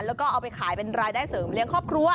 แล้วก็เอาไปขายเป็นรายได้เสริมเลี้ยงครอบครัว